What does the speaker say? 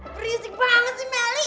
berisik banget sih meli